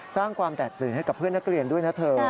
สร้างความแตกตื่นให้กับเพื่อนนักเรียนด้วยนะเธอ